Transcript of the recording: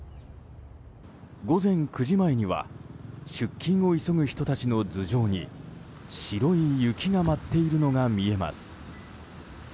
午前９時前には出勤を急ぐ人たちの頭上に白い雪が舞っているのが見えます。